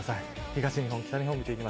東日本、北日本です。